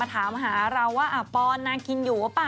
อ๋อเขาอ่านว่าปอนนาเคิล